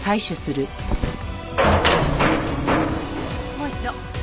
もう一度。